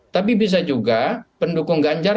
tapi bisa juga pendukung ganjar